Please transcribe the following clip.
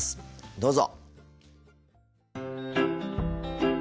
どうぞ。